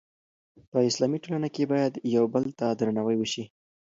په اسلامي ټولنه کې باید یو بل ته درناوی وشي.